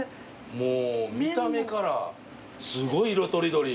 もう見た目からすごい色とりどり。